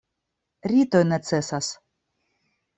Ritoj necesas.